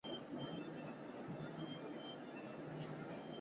筱之井市是位于长野县旧更级郡域北东部地区的市。